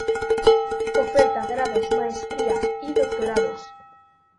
Oferta grados, maestrías y doctorados